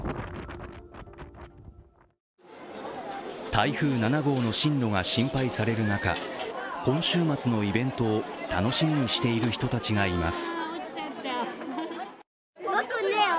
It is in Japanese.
台風７号の進路が心配される中、今週末のイベントを楽しみにしている人たちがいます。